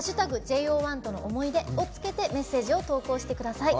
「＃ＪＯ１との思い出」を付けてメッセージを投稿してください。